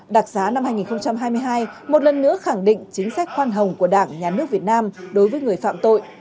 đặc giá năm hai nghìn hai mươi hai một lần nữa khẳng định chính sách khoan hồng của đảng nhà nước việt nam đối với người phạm tội